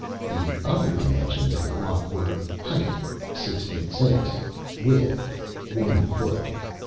The other dimensions of the lock were: height, six feet six; width, one foot.